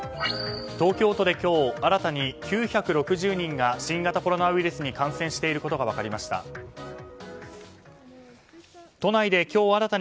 東京都で今日新たに９６０人が新型コロナウイルスに感染していることが分かりました。